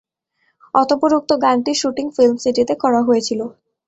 অতঃপর উক্ত গানটির শুটিং ফিল্ম সিটিতে করা হয়েছিল।